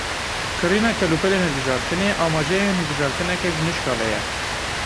Kirîna kelûpelên hilbijartinê amajeyên hilbijartineke ji nişka ve ye.